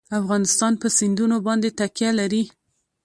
افغانستان په سیندونه باندې تکیه لري.